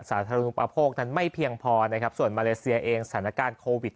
สาธารณุปโภคนั้นไม่เพียงพอนะครับส่วนมาเลเซียเองสถานการณ์โควิด